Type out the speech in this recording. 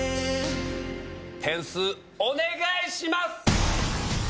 点数お願いします！